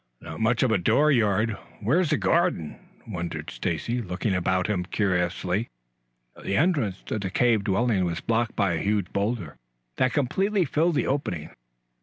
"Not much of a door yard. Where's the garden?" wondered Stacy, looking about him curiously. The entrance to the cave dwelling was blocked by a huge boulder, that completely filled the opening.